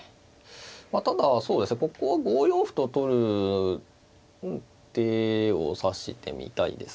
まあただここは５四歩と取る手を指してみたいですかね。